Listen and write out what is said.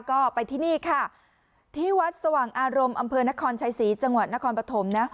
ก็ไปที่นี่ค่ะที่วัดสว่างอารมณ์อำเภอนครชัยศรีจังหวัดนครปฐมนะ